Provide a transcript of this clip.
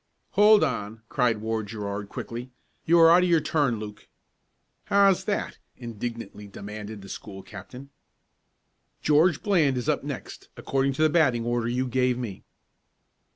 "Hold on!" cried Ward Gerard quickly. "You are out of your turn, Luke." "How's that?" indignantly demanded the school captain. "George Bland is up next, according to the batting order you gave me."